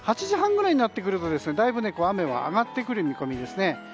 ８時半ぐらいになってくるとだいぶ雨は上がってくる見込みです。